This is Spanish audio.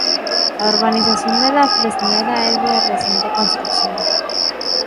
La Urbanización de La Fresneda es de reciente construcción.